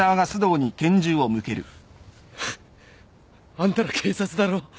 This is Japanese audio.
あんたら警察だろ？